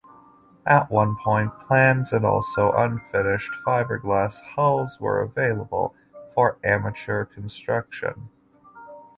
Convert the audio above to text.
At one point plans and also unfinished fiberglass hulls were available for amateur construction.